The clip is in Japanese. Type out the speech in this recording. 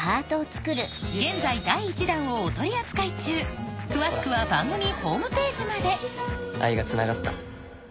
現在第１弾をお取り扱い中詳しくは番組ホームページまで愛がつながった。